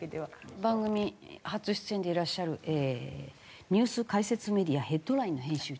番組初出演でいらっしゃるニュース解説メディアＨＥＡＤＬＩＮＥの編集長。